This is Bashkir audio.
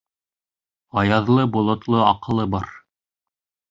Аяҙлы-болотло аҡылы бар